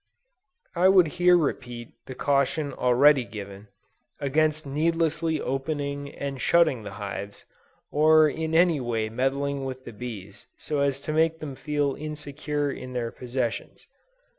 I would here repeat the caution already given, against needlessly opening and shutting the hives, or in any way meddling with the bees so as to make them feel insecure in their possessions.